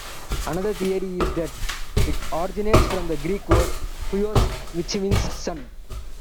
Another theory is that it originates from the Greek word "huios" which means "son".